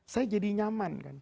saya jadi nyaman